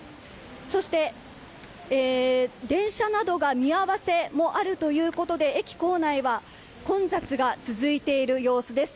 そして、電車などが見合わせもあるということで駅構内は混雑が続いている様子です。